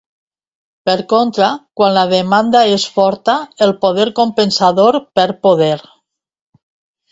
Per contra, quan la demanda és forta el poder compensador perd poder.